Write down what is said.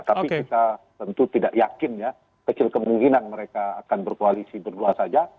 tapi kita tentu tidak yakin ya kecil kemungkinan mereka akan berkoalisi berdua saja